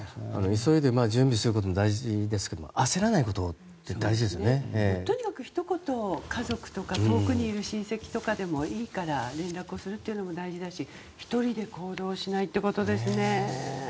急いで準備することも大事ですけどもとにかくひと言家族とか遠くにいる親戚でもいいから連絡をすることも大事だし１人で行動しないということですね。